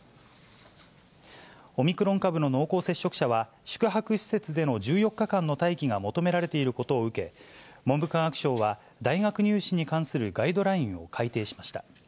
オミクロン株の濃厚接触者は、宿泊施設での１４日間の待機が求められていることを受け、文部科学省は、大学入試に関するガイドラインを改訂しました。